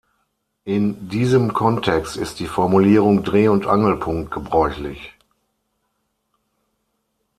In diesem Kontext ist die Formulierung „Dreh- und Angelpunkt“ gebräuchlich.